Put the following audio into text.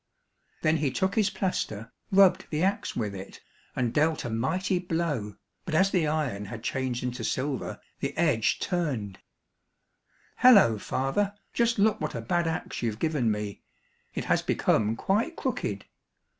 Then he took his plaster, rubbed the axe with it, and dealt a mighty blow, but as the iron had changed into silver, the edge turned; "Hollo, father, just look what a bad axe you've given me, it has become quite crooked."